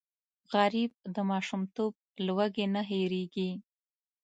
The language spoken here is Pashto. غریب د ماشومتوب لوږې نه هېرېږي